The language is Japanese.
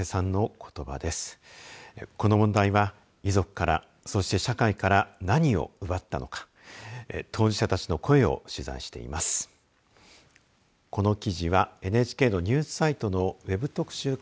この問題は遺族からそして社会から何を奪ったのか。